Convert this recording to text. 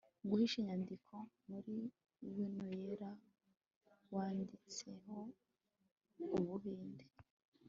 guhisha inyandiko muri wino yera wanditseho Ubuhinde